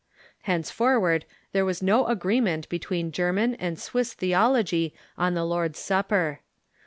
Hencefor ward there was no agreement between German and Swiss the ology on the Lord's Supper.